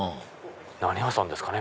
何屋さんですかね？